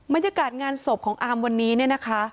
มันยากาศงานสมของอามวันนี้นี่นะคะ